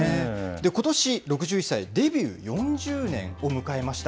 ことし６１歳、デビュー４０年を迎えました。